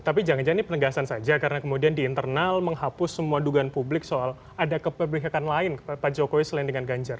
tapi jangan jangan ini penegasan saja karena kemudian di internal menghapus semua dugaan publik soal ada keperbekakan lain pak jokowi selain dengan ganjar